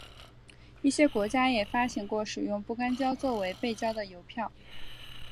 一些国家也发行过使用不干胶作为背胶的邮票。